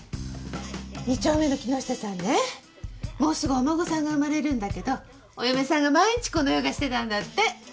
２丁目の木下さんねもうすぐお孫さんが産まれるんだけどお嫁さんが毎日このヨガしてたんだって。